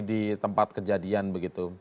di tempat kejadian begitu